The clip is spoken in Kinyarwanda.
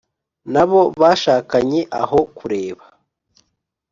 nabo bashakanye aho kureba